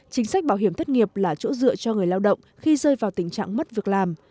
chính sách bảo hiểm thất nghiệp là chỗ dựa cho người lao động khi rơi vào tình trạng mất việc làm